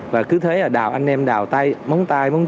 và cứ thế là đào anh em đào tay